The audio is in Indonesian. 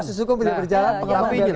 proses hukum pilih perjalanan